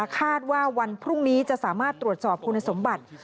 ว่าวันพรุ่งนี้จะสามารถตรวจสอบคุณสมบัติ